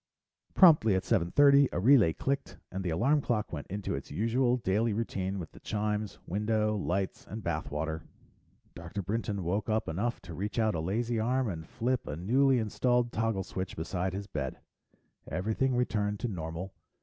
Promptly at seven thirty, a relay clicked and the alarm clock went into its usual daily routine with the chimes, window, lights, and bath water. Dr. Brinton woke up enough to reach out a lazy arm and flip a newly installed toggle switch beside his bed. Everything returned to normal.